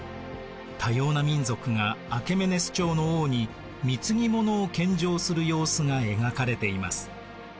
多様な民族がアケメネス朝の王に貢ぎ物を献上する様子が描かれています。